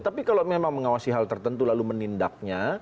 tapi kalau memang mengawasi hal tertentu lalu menindaknya